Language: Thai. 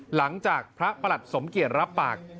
หลังจากพระประหลัดสมเกียจรับปาก